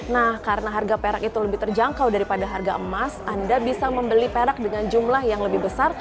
nah karena harga perak itu lebih terjangkau daripada harga emas anda bisa membeli perak dengan jumlah yang lebih besar